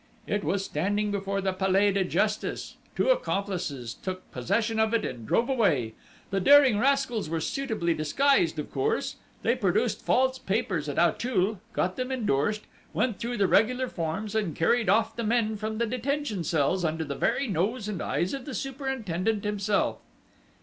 It was standing before the Palais de Justice. Two accomplices took possession of it and drove away. The daring rascals were suitably disguised, of course! They produced false papers at Auteuil, got them endorsed, went through the regular forms, and carried off the men from the detention cells, under the very nose and eyes of the superintendent himself!"